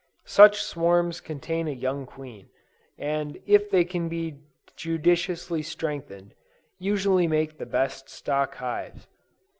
Such swarms contain a young queen, and if they can be judiciously strengthened, usually make the best stock hives.